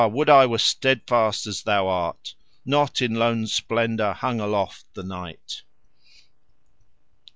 would I were steadfast as thou art Not in lone splendour hung aloft the night.